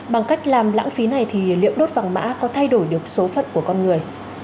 bằng cách làm lãng phí này thì liệu đốt vàng mã có thay đổi được số phận của con người